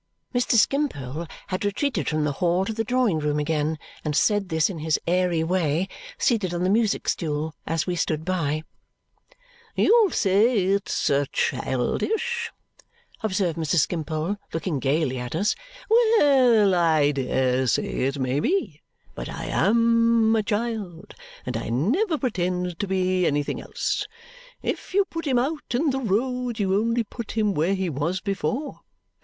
Mr. Skimpole had retreated from the hall to the drawing room again and said this in his airy way, seated on the music stool as we stood by. "You'll say it's childish," observed Mr. Skimpole, looking gaily at us. "Well, I dare say it may be; but I AM a child, and I never pretend to be anything else. If you put him out in the road, you only put him where he was before.